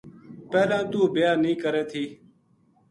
پہلاں توہ بیاہ نیہہ کرے تھی